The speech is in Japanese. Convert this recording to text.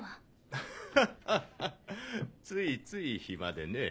アッハハハついつい暇でね。